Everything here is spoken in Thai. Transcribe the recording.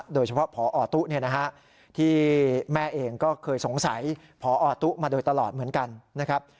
โดยเฉพาะพอตุ๊ที่แม่เองก็เคยสงสัยพอตุ๊มาโดยตลอดเหมือนกันนะครับ